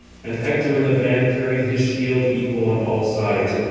And Hector in the van carried his shield, equal on all sides.